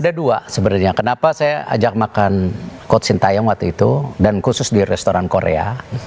ada dua sebenarnya kenapa saya ajak makan coach sintayong waktu itu dan khusus di restoran korea